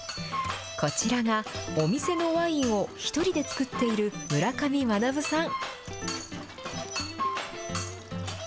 こちらが、お店のワインを１人で作っている村上学さん。